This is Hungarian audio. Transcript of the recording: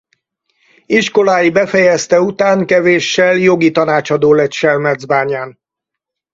Iskolái befejezte után kevéssel jogi tanácsadó lett Selmecbányán.